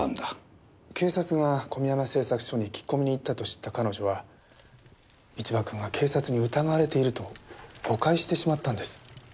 警察が込山製作所に聞き込みに行ったと知った彼女は一場君が警察に疑われていると誤解してしまったんです。